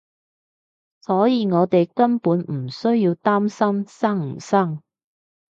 所以我哋根本唔需要擔心生唔生